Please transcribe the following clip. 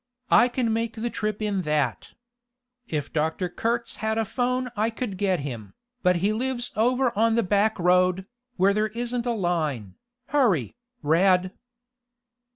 I can make the trip in that. If Dr. Kurtz had a 'phone I could get him, but he lives over on the back road, where there isn't a line. Hurry, Rad!"